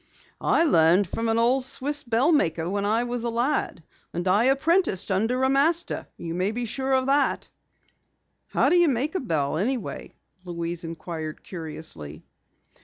"I learned from an old Swiss bell maker when I was a lad. And I apprenticed under a master, you may be sure of that." "How do you make a bell anyway?" Louise inquired curiously.